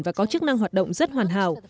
và có chức năng hoạt động rất hoàn hảo